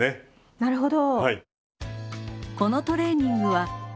なるほど。